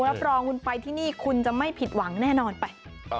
รับรองคุณไปที่นี่คุณจะไม่ผิดหวังแน่นอนไป